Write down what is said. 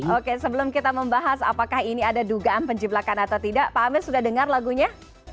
oke sebelum kita membahas apakah ini ada dugaan penjiblakan atau tidak pak amir sudah dengar lagunya